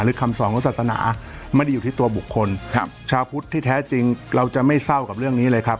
คำสองของศาสนาไม่ได้อยู่ที่ตัวบุคคลครับชาวพุทธที่แท้จริงเราจะไม่เศร้ากับเรื่องนี้เลยครับ